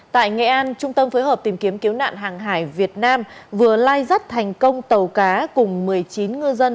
tại nghệ an trung tâm phối hợp tìm kiếm cứu nạn hàng hải việt nam vừa lai rắt thành công tàu cá cùng một mươi chín ngư dân